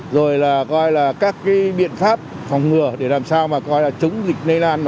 rồi là coi là các cái biện pháp phòng ngừa để làm sao mà coi là chống dịch lây lan